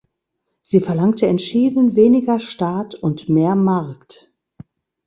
Sie verlangte entschieden weniger Staat und mehr Markt.